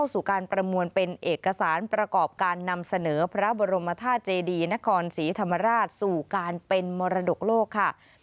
สู่การเป็นมรดกโลกค่ะ